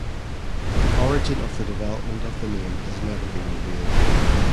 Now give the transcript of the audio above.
The origin of the development of the name has never been revealed.